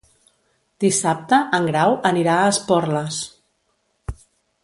Dissabte en Grau anirà a Esporles.